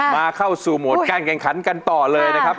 มาเข้าสู่มุดการแก่งขันกันต่อเลยครับ